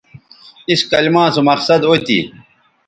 اِس کلما سو مقصد او تھی